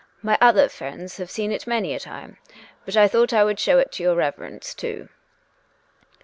" My other friends have seen it many a time, but I thought I would show it to your Reverence, too."